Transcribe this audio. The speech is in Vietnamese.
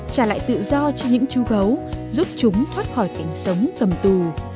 trả lại tự do cho những chú gấu giúp chúng thoát khỏi cảnh sống cầm tù